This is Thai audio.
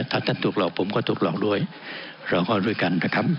ถ้าถ้าถูกหลอกผมก็ถูกหลอกด้วยเราก็ด้วยกันนะครับ